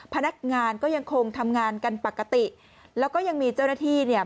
พนักงานก็ยังคงทำงานกันปกติแล้วก็ยังมีเจ้าหน้าที่เนี่ย